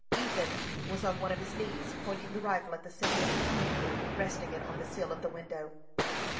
Ethan was on one of his knees, pointing the rifle at the single Indian, resting it on the sill of the window.